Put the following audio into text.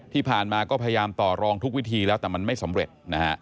ที่ผ่านมาก็พยายามต่อรองทุกวิธีแล้วแต่มันไม่สำเร็จนะฮะ